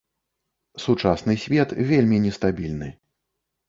Сучасны свет вельмі нестабільны.